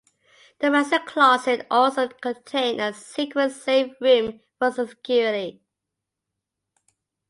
The master closet also contained a secret safe room for security.